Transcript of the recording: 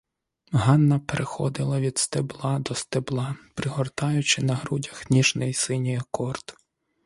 Ганна переходила від стебла до стебла, пригортаючи на грудях ніжний синій акорд.